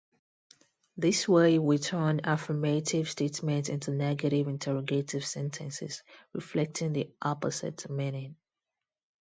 This way, we turn affirmative statements into negative interrogative sentences, reflecting the opposite meaning.